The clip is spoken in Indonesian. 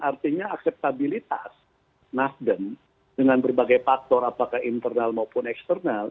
artinya akseptabilitas nasdem dengan berbagai faktor apakah internal maupun eksternal